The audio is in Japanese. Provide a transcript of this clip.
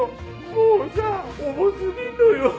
もうさ重すぎるのよ！